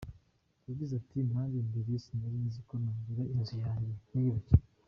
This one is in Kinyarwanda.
Yagize ati “Nanjye mbere sinari nzi ko nagira inzu yanjye niyubakiye…”.